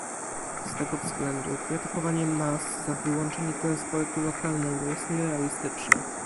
Z tego względu krytykowanie nas za wyłączenie transportu lokalnego jest nierealistyczne